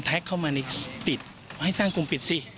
เข้ามาในติดให้สร้างกลุ่มปิดสิ